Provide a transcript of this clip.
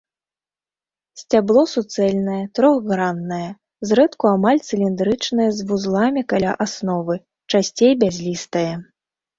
Сцябло суцэльнае, трохграннае, зрэдку амаль цыліндрычнае з вузламі каля асновы, часцей бязлістае.